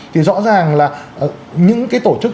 thì rõ ràng là những cái tổ chức